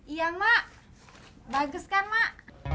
iya mak bagus kan mak